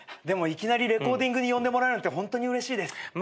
でもいきなりレコーディングに呼んでもらえるなんてホントにうれしいです。